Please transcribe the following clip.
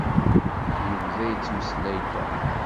Yebda yettmeslay Tom.